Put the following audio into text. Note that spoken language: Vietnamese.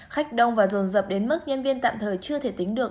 khách đông và rồn dập đến mức nhân viên tạm thời chưa thể tính được